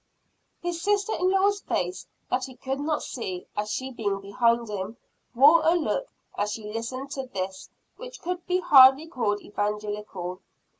His sister in law's face, that he could not see, she being behind him, wore a look as she listened to this, which could be hardly called evangelical.